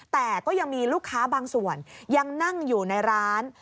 แต่ก็ยังมีลูกค้าบางส่วนยังนั่งอยู่ในร้าน